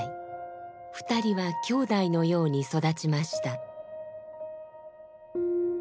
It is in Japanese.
２人は兄弟のように育ちました。